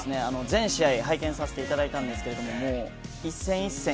全試合拝見させていただいたんですけども、一戦一戦